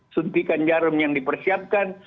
suntikan jarum yang dipersiapkan